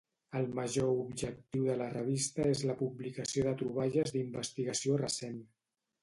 El major objectiu de la revista és la publicació de troballes d'investigació recent.